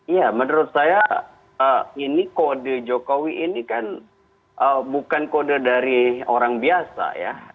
ya menurut saya ini kode jokowi ini kan bukan kode dari orang biasa ya